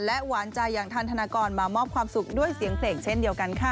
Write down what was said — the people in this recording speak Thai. หวานใจอย่างทันธนากรมามอบความสุขด้วยเสียงเพลงเช่นเดียวกันค่ะ